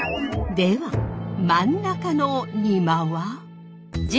では真ん中の仁摩は？